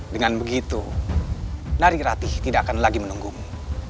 dengan begitu nari ratih tidak akan lagi menunggumu